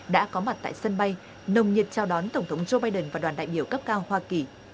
đã có mặt tại sân bay nồng nhiệt trao đón tổng thống joe biden và đoàn đại biểu cấp cao hoa kỳ